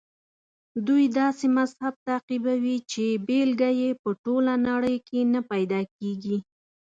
دوی داسې مذهب تعقیبوي چې بېلګه یې په ټوله نړۍ کې نه پیدا کېږي.